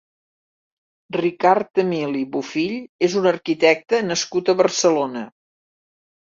Ricard Emili Bofill és un arquitecte nascut a Barcelona.